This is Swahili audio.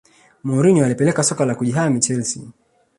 Mourinho alipeleka soka la kujihami chelsea